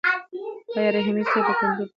آیا رحیمي صیب کمپیوټر په سمه توګه روښانه کړی دی؟